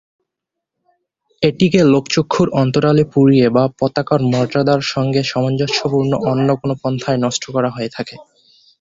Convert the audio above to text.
এটিকে লোকচক্ষুর অন্তরালে পুড়িয়ে বা পতাকার মর্যাদার সঙ্গে সামঞ্জস্যপূর্ণ অন্য কোনো পন্থায় নষ্ট করা হয়ে থাকে।